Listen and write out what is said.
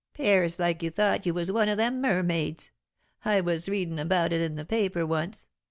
"'Pears like you thought you was one of them mermaids I was readin' about in the paper once.